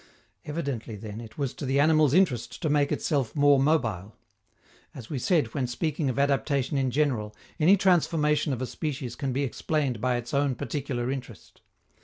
Evidently, then, it was to the animal's interest to make itself more mobile. As we said when speaking of adaptation in general, any transformation of a species can be explained by its own particular interest.